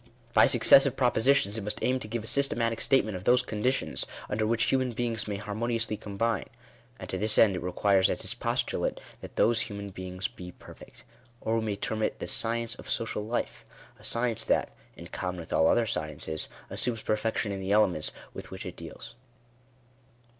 By successive propositions it must aim to give a systematic state ment of those conditions under which human beings may har moniously combine ; and to this end it requires as its postulate, that those human beings be perfect. Or we may term it the sci^nce^oL sofiiftl life; a science that, in common with all other sciences, assumes perfection in the elements with which it deals.